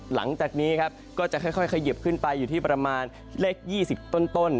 หลังจากนี้ครับก็จะค่อยเขยิบขึ้นไปอยู่ที่ประมาณเลข๒๐ต้น